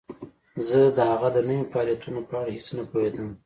زه د هغه د نویو فعالیتونو په اړه هیڅ نه پوهیدم